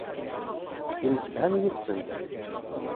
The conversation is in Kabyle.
Yemsefham yid-sent.